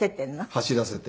走らせて。